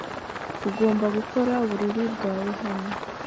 Ugomba gukora uburiri bwawe hano